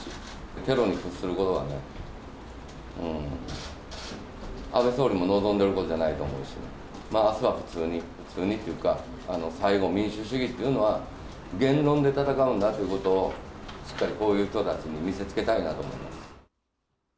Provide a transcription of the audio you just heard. テロに屈することは安倍総理も望んでることじゃないと思うしね、あすは普通に、普通にというか、最後民主主義というのは、言論で戦うんだということを、しっかりこういう人たちに見せつけたいなと思います。